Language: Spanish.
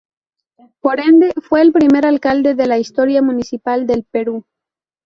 Por ende, fue el primer alcalde de la historia municipal del Perú.